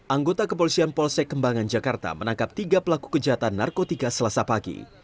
anggota kepolisian polsek kembangan jakarta menangkap tiga pelaku kejahatan narkotika selasa pagi